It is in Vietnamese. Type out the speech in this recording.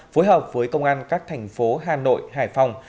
phối hợp với công an các thành phố hà nội hải phòng